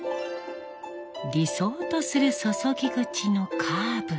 理想とする注ぎ口のカーブ。